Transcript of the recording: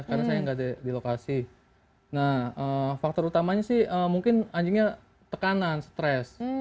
karena saya gak ada di lokasi nah faktor utama nya sih mungkin anjingnya tekanan stress